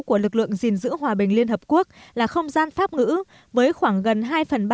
của lực lượng gìn giữ hòa bình liên hợp quốc là không gian pháp ngữ với khoảng gần hai phần ba